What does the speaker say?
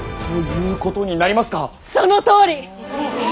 そのとおり！